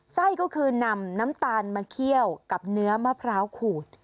ไส้ก็คือนำน้ำตาลมาเคี่ยวกับเนื้อมะพร้าวขูด